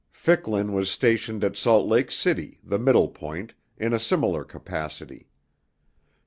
Ficklin was stationed at Salt Lake City, the middle point, in a similar capacity.